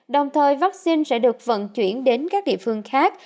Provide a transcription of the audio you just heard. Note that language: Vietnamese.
đồng thời vaccine sẽ được vận chuyển đến các địa phương khác